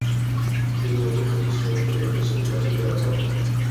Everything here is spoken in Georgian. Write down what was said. წიგნები ღვთისმეტყველების სკოლაში განთავსდა.